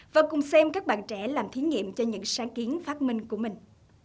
và cùng xem các bạn trẻ làm thí nghiệm cho những sáng kiến phát minh của mình